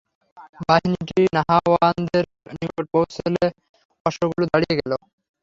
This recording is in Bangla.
বাহিনীটি নাহাওয়ান্দের নিকট পৌঁছলে অশ্বগুলো দাঁড়িয়ে গেল।